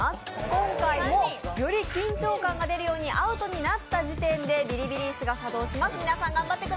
今回もより緊張感が出るようにアウトになった時点でビリビリ椅子が作動します。